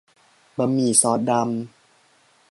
บะหมี่ซอสดำ